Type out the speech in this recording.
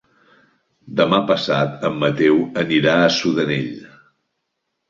Demà passat en Mateu anirà a Sudanell.